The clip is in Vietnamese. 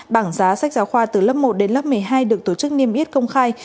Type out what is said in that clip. bảng giá sách giáo khoa từ lớp một đến lớp một mươi hai được tổ chức niêm yết công khai